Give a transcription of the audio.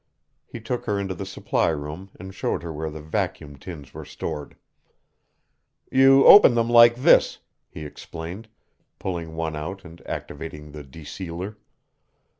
He took her into the supply room and showed her where the vacuum tins were stored. "You open them like this," he explained, pulling one out and activating the desealer.